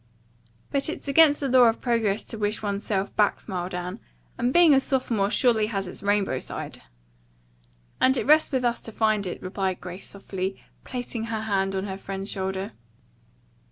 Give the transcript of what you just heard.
"But it's against the law of progress to wish one's self back," smiled Anne, "and being a sophomore surely has its rainbow side." "And it rests with us to find it," replied Grace softly, placing her hand on her friend's shoulder.